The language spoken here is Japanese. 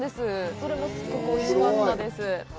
それもすごくおいしかったです。